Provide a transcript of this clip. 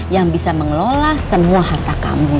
yang bisa mengelola semua harta kamu